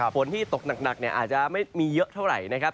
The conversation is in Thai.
ฝนที่ตกหนักอาจจะไม่มีเยอะเท่าไหร่นะครับ